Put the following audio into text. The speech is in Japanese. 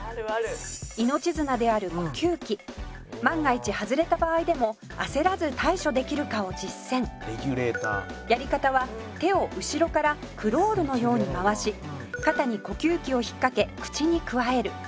「万が一外れた場合でも焦らず対処できるかを実践」「やり方は手を後ろからクロールのように回し肩に呼吸器を引っ掛け口にくわえる」